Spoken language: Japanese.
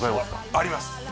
あります